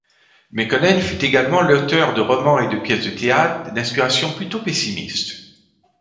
Mekonnen fut également l'auteur de romans et de pièces de théâtre, d'inspiration plutôt pessimiste.